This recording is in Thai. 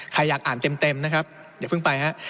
ใครอยากอ่านเต็มนะครับอย่าเพิ่งไปฮะ